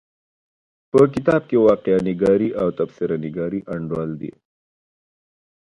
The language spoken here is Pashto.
په کتاب کې واقعه نګاري او تبصره نګاري انډول دي.